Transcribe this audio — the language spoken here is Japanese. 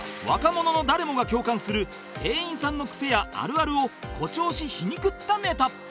若者の誰もが共感する店員さんの癖やあるあるを誇張し皮肉ったネタ